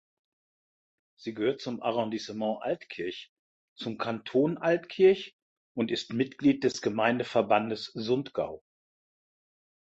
Sie gehört zum Arrondissement Altkirch, zum Kanton Altkirch und ist Mitglied des Gemeindeverbandes Sundgau.